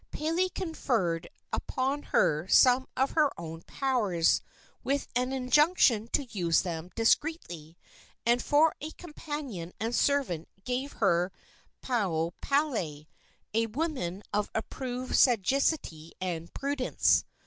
Pele conferred upon her some of her own powers, with an injunction to use them discreetly, and for a companion and servant gave her Pauo palae, a woman of approved sagacity and prudence.